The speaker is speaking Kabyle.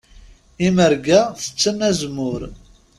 Imerga tetten azemmur.